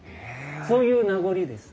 そういう名残です。